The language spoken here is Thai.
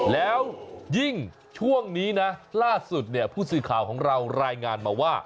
แล้วยิ่งช่วงนี้นะล่าสุดเนี่ยผู้สื่อข่าวของเรารายงานมาว่า